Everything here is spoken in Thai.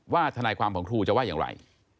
ทนายความของครูจะว่าอย่างไร